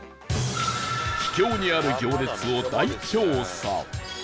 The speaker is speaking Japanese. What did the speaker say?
秘境にある行列を大調査